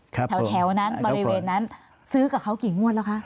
แถวนั้นบริเวณนั้นซื้อกับเขากี่งวดแล้วคะ